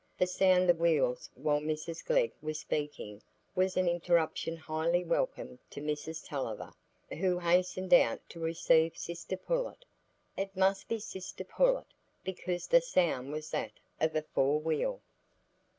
The sound of wheels while Mrs Glegg was speaking was an interruption highly welcome to Mrs Tulliver, who hastened out to receive sister Pullet; it must be sister Pullet, because the sound was that of a four wheel.